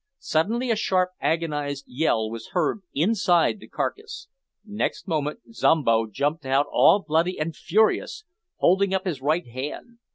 Suddenly a sharp agonised yell was heard inside the carcase. Next moment Zombo jumped out all bloody and furious, holding up his right hand.